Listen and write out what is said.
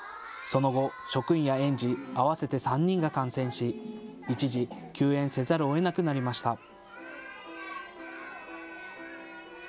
その後、職員や園児合わせて３人が感染し、一時休園せざるをえなくなりました。